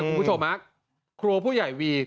คุณผู้ชมฮะครัวผู้ใหญ่วี